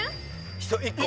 １人１個？